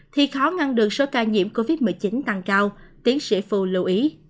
thì khó ngăn được số ca nhiễm covid một mươi chín tăng cao tiến sĩ phù lưu ý